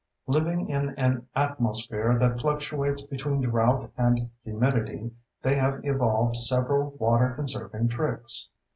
Living in an atmosphere that fluctuates between drought and humidity, they have evolved several water conserving tricks.